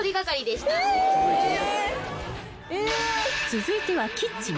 ［続いてはキッチン］